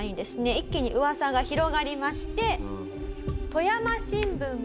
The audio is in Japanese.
一気にうわさが広がりまして。